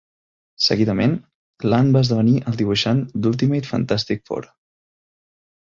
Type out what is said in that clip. Seguidament, Land va esdevenir el dibuixant d'"Ultimate Fantastic Four".